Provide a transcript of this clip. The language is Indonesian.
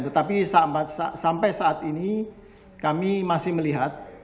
tetapi sampai saat ini kami masih melihat